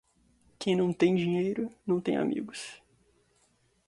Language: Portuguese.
Quem não tem dinheiro, não tem amigos.